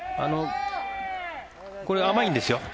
これ、甘いんですよ。